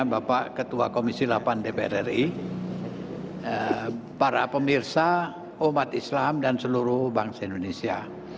bapak ketua komisi delapan dpr ri para pemirsa umat islam dan seluruh bangsa indonesia